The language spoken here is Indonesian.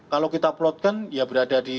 kalau kita plotkan ya berada di